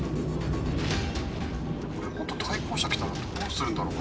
これ本当対向車来たらどうするんだろう？